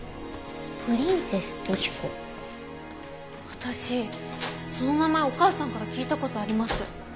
私その名前お母さんから聞いた事あります。